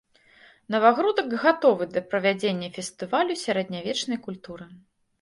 Навагрудак гатовы да правядзення фестывалю сярэднявечнай культуры.